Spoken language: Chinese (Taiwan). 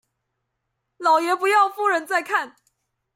老爺不要夫人在看